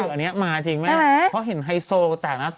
อันนี้มาจริงแม่เพราะเห็นไฮโซแตกนะ